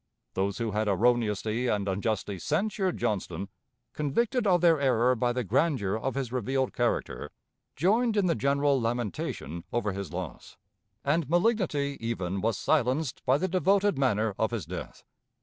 Those who had erroneously and unjustly censured Johnston, convicted of their error by the grandeur of his revealed character, joined in the general lamentation over his loss, and malignity even was silenced by the devoted manner of his death.